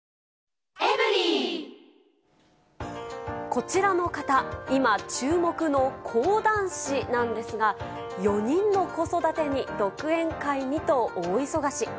こちらの方、今、注目の講談師なんですが、４人の子育てに、独演会にと大忙し。